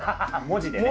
文字でね。